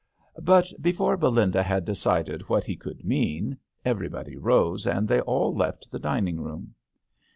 But before Belinda had decided what he could mean, everybody rose and they all left the dining room.